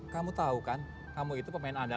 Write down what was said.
kok diam aja